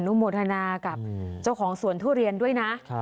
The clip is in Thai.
โมทนากับเจ้าของสวนทุเรียนด้วยนะ